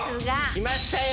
きましたよ！